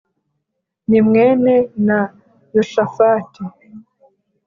ni mwene na Yoshafati